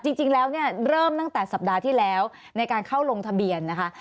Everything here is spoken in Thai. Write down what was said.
จริงแล้วเนี่ยเริ่มตั้งแต่สัปดาห์ที่แล้วในการเข้าลงทะเบียนนะคะ